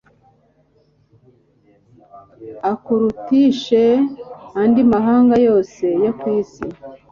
akurutishe andi mahanga yose yo ku isi